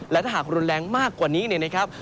และถ้าหากรุนแรงมากกว่านี้เนี่ยนะครับ